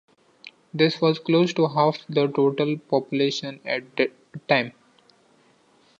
This was close to half the total population at the time.